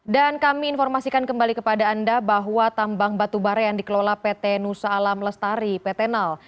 dan kami informasikan kembali kepada anda bahwa tambang batu bare yang dikelola pt nusa alam lestari pt nal